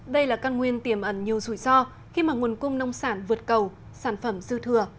đây là căn nguyên tiềm ẩn nhiều rủi ro khi mà nguồn cung nông sản vượt cầu sản phẩm dư thừa